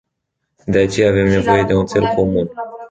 De aceea avem nevoie de un țel comun.